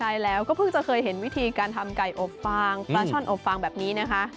ใช่แล้วก็เพิ่งจะเคยเห็นวิธีการทำไก่อบฟางปลาช่อนอบฟางแบบนี้นะคะ